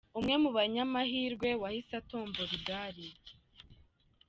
Umwe mu banyamahirwe wahise atombora igare.